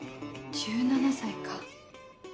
１７歳か。